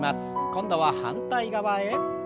今度は反対側へ。